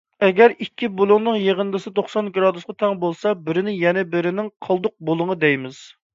ئەگەر ئىككى بۇلۇڭنىڭ يىغىندىسى توقسان گىرادۇسقا تەڭ بولسا، بىرىنى يەنە بىرىنىڭ قالدۇق بۇلۇڭى دەيمىز.